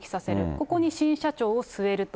ここに新社長を据えると。